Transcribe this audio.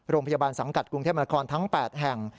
โรงพยาบาลสังกัดกรุงเทพมนาคมทั้ง๘แห่ง